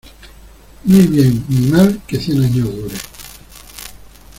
No hay bien ni mal que cien años dure.